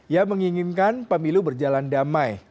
yang menginginkan pemilu berjalan damai